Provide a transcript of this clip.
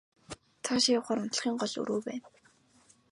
Цаашаа явахаар унтлагын гол өрөө байна.